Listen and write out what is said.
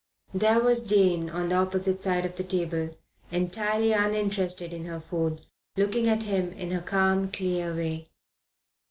There was Jane on the opposite side of the table, entirely uninterested in her food, looking at him in her calm, clear way.